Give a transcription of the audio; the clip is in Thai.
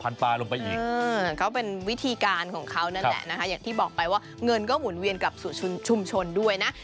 อย่างที่บอกไปว่าเงินก็หมุนเวียนกลับสู่ชุมชนด้วยนะ